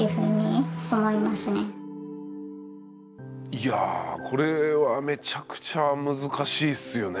いやこれはめちゃくちゃ難しいっすよね。